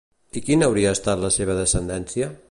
I quina hauria estat la seva descendència?